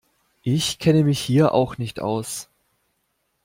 Ich kenne mich hier auch nicht aus.